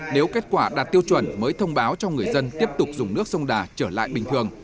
nếu kết quả đạt tiêu chuẩn mới thông báo cho người dân tiếp tục dùng nước sông đà trở lại bình thường